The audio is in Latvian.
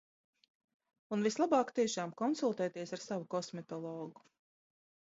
Un vislabāk tiešām konsultēties ar savu kosmetologu.